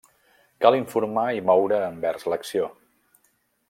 Cal informar i moure envers l'acció.